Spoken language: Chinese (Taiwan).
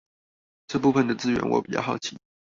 這部分的資源我比較好奇